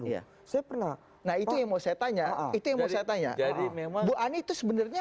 iya saya pernah nah itu yang mau saya tanya itu yang mau saya tanya bu ani itu sebenarnya